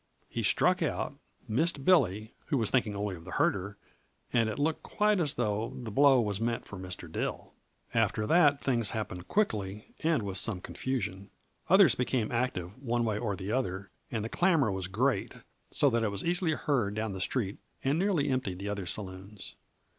He struck out, missed Billy, who was thinking only of the herder, and it looked quite as though the blow was meant for Mr. Dill. After that, things happened quickly and with some confusion. Others became active, one way or the other, and the clamor was great, so that it was easily heard down the street and nearly emptied the other saloons.